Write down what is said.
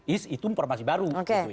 itu informasi baru